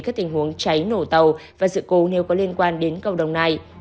các tình huống cháy nổ tàu và sự cố nếu có liên quan đến cầu đồng nai